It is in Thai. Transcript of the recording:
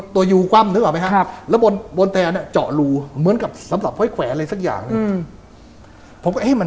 ตัวยูกล้ำนึกออกไหมครับ